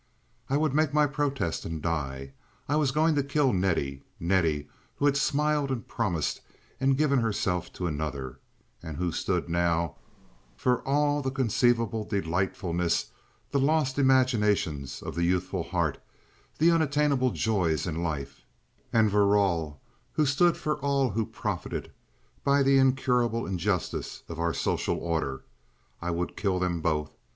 I would make my protest and die. I was going to kill Nettie—Nettie who had smiled and promised and given herself to another, and who stood now for all the conceivable delightfulnesses, the lost imaginations of the youthful heart, the unattainable joys in life; and Verrall who stood for all who profited by the incurable injustice of our social order. I would kill them both.